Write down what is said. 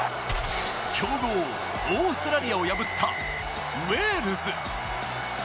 強豪・オーストラリアを破ったウェールズ。